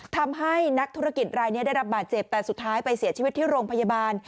ทำให้นักธุรกิจรายนี้ได้รับบาดเจ็บแต่สุดท้ายไปเสียชีวิตที่โรงพยาบาล